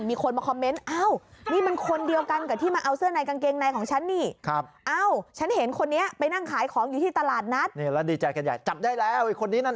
มีคนมาคอมเมนต์อ้าว